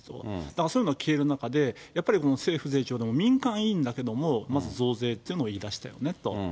だからそういうのが消える中で、やっぱり政府税調でも民間委員だけで、まず増税というのを言いだしたよねと。